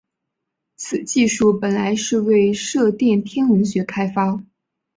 此技术本来是为射电天文学开发。